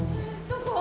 どこ？